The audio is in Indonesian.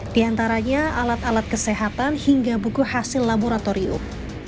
di antaranya alat alat kesehatan hingga buku hasil laboratorium